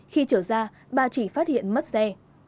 khi trở ra bà chỉ phát hiện mất xe